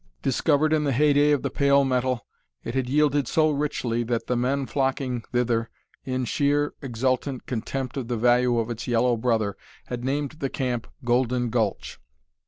Discovered in the heyday of the pale metal, it had yielded so richly that the men flocking thither, in sheer, exultant contempt of the value of its yellow brother, had named the camp "Golden Gulch."